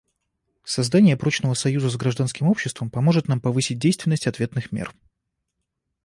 Создание прочного союза с гражданским обществом поможет нам повысить действенность ответных мер.